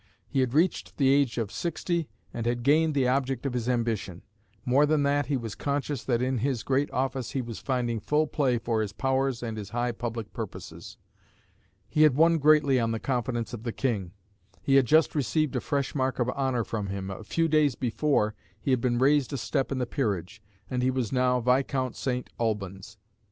He had reached the age of sixty, and had gained the object of his ambition. More than that, he was conscious that in his great office he was finding full play for his powers and his high public purposes. He had won greatly on the confidence of the King. He had just received a fresh mark of honour from him: a few days before he had been raised a step in the peerage, and he was now Viscount St. Alban's.